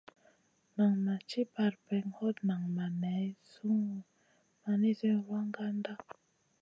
Nan ma ci parpèŋè, hot nan ma ŋay sungun ma nizi wragandana.